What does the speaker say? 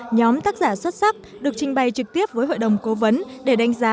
nhóm tác giả xuất sắc được trình bày trực tiếp với hội đồng cố vấn để đánh giá